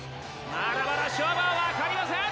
まだまだ勝負は分かりません！